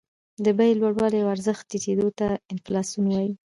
د بیې لوړوالي او ارزښت ټیټېدو ته انفلاسیون وايي